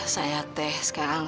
saya teh sekarang